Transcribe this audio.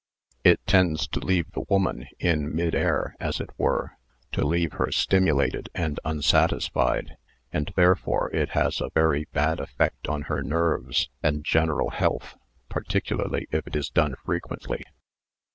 It 5* Married Love tends to leave the woman in " mid air " as it were; to leave her stimulated and unsatisfied, and therefore it has a very bad effect on her nerves and general health, particularly if it is done frequently.